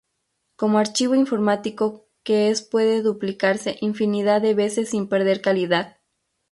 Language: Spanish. Como archivo informático que es puede duplicarse infinidad de veces sin perder calidad.